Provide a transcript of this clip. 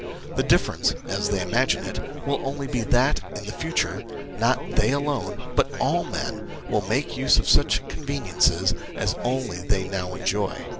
The difference, as they imagine it, will only be that, in the future, not they alone, but all men, will make use of such conveniences as only they now enjoy.